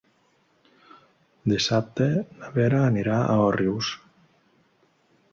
Dissabte na Vera anirà a Òrrius.